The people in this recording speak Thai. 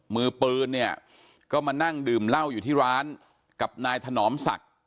มือปืนเนี่ยก็มานั่งดื่มเหล้าอยู่ที่ร้านกับนายถนอมศักดิ์